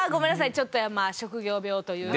ちょっとまあ職業病というか。